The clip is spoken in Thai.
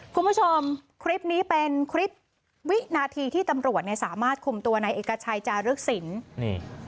คุณผู้ชมคลิปนี้เป็นคลิปวินาทีที่ตำรวจเนี่ยสามารถคุมตัวในเอกชัยจารึกศิลป์นี่